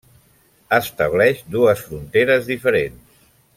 Estableix dues fronteres diferents.